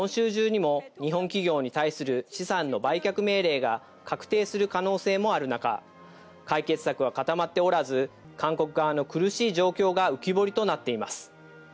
早ければ今週中にも日本企業に対する資産の売却命令が確定する可能性もある中、解決策は固まっておらず、韓国側の苦しい状況が浮き彫りとなっています。